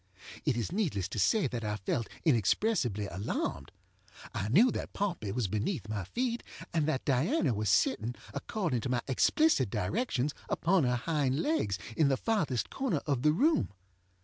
It is needless to say that I felt inexpressibly alarmed. I knew that Pompey was beneath my feet, and that Diana was sitting, according to my explicit directions, upon her hind legs, in the farthest corner of the room.